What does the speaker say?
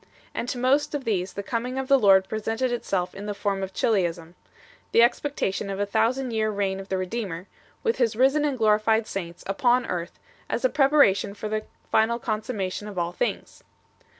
And to most of these the coming of the Lord presented itself in the form of Chiliasm, the expectation of a thousand years reign of the Redeemer, with His risen and glorified saints, upon earth, as a preparation for the final consummation of all things 2